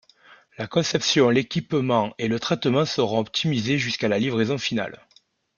La conception, l'équipement et le traitement seront optimisés jusqu'à la livraison finale.